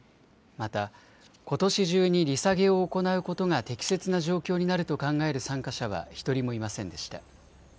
またことし中に利下げを行うことが適切な状況になると考える参加者は１人もいませんでした。